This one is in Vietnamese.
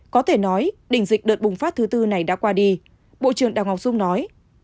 có thể nói đỉnh dịch đợt bùng phát thứ tư này đã qua đi bộ trưởng đào ngọc dung nói